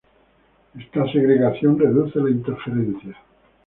Esta segregación reduce la interferencia.